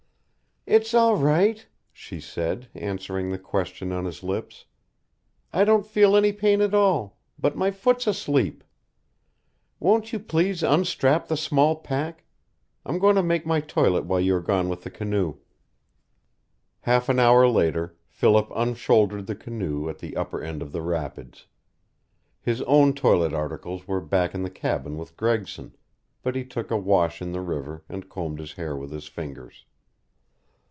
"It's all right," she said, answering the question on his lips. "I don't feel any pain at all, but my foot's asleep. Won't you please unstrap the small pack? I'm going to make my toilet while you are gone with the canoe." Half an hour later Philip unshouldered the canoe at the upper end of the rapids. His own toilet articles were back in the cabin with Gregson, but he took a wash in the river and combed his hair with his fingers.